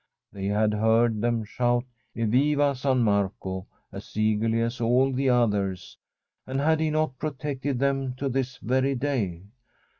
They had heard them shout, Eviva San Marco! ' as eagerly as all the others, and had he not protected them to this very day.